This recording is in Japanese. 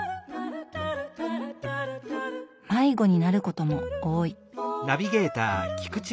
迷子になることも多い。